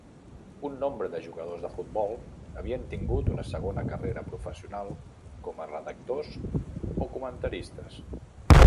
Un nombre de jugadors de futbol havien tingut una segona carrera professional com a redactors o comentaristes.